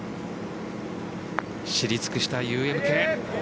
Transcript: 知り尽くしたＵＭＫ。